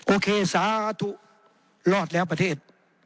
โอเคสาธุรอดแล้วประเทศ